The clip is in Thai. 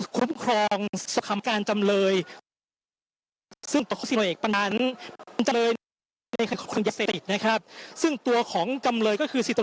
คลุมครองสักคำการจำเลยซึ่งตัวของกำเลยก็คือพริกษีต่อ